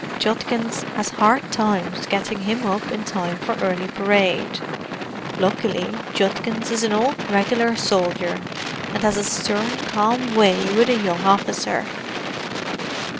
Judkins has hard times getting him up in time for early parade. Luckily Judkins is an old regular soldier, and has a stern, calm way with a young officer."